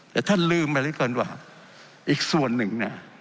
แต่ท่านลืมไว้เลยก่อนว่าอีกส่วนนึงน่ะ